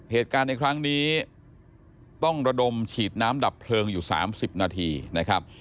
เหตุการณ์ในครั้งนี้ต้องระดมฉีดน้ำดับเพลิงอยู่๓๐นาทีนะครับ